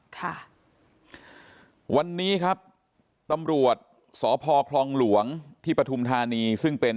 ค่ะวันนี้ครับตำรวจสพคลองหลวงที่ปฐุมธานีซึ่งเป็น